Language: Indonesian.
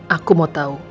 aku mau tau